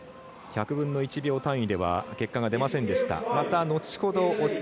１００分の１秒単位では結果、出ませんでした。